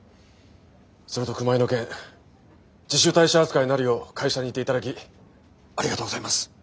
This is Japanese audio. それと熊井の件自主退社扱いになるよう会社に言って頂きありがとうございます。